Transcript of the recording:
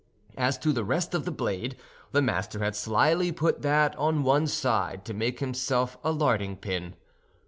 As to the rest of the blade, the master had slyly put that on one side to make himself a larding pin.